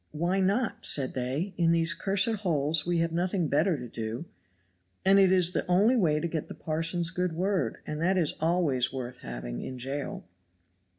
"Why not?" said they, "in these cursed holes we have nothing better to do; and it is the only way to get the parson's good word, and that is always worth having in jail."